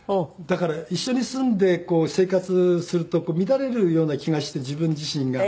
だから一緒に住んで生活すると乱れるような気がして自分自身が。